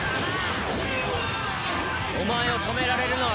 お前を止められるのはただ一人。